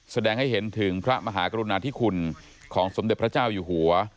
แสดงให้เห็นถึงพระมหากรุณาธิคุณของสมเด็จพระเจ้าอยู่หัว